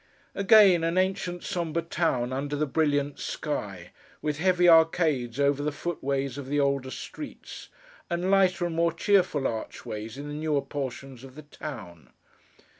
Again, an ancient sombre town, under the brilliant sky; with heavy arcades over the footways of the older streets, and lighter and more cheerful archways in the newer portions of the town.